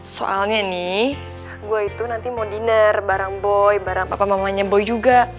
soalnya nih gue itu nanti mau diner bareng boy bareng papa mamanya boy juga